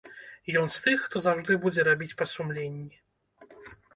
Ён з тых, хто заўжды будзе рабіць па сумленні.